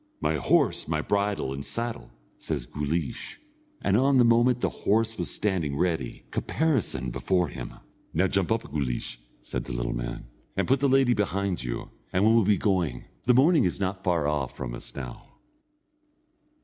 "My horse, my bridle, and saddle!" says Guleesh; and on the moment the horse was standing ready caparisoned before him. "Now, jump up, Guleesh," said the little man, "and put the lady behind you, and we will be going; the morning is not far off from us now."